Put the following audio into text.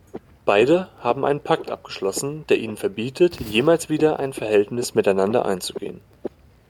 Beide haben einen Pakt abgeschlossen, der ihnen verbietet, jemals wieder ein Verhältnis miteinander einzugehen.